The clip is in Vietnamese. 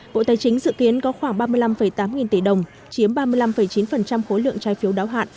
bộ tài chính dự kiến có khoảng ba mươi năm tám nghìn tỷ đồng chiếm ba mươi năm chín khối lượng trái phiếu đáo hạn